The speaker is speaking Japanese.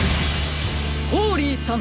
ホーリーさん！